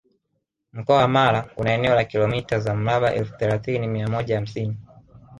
Mkoa wa Mara una eneo la Kilomita za mraba elfu thelathini mia moja hamsini